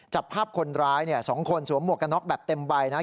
จับภาพคนร้ายเนี่ย๒คนสวมหมวกกันน็อกแบบเต็มใบนะฮะ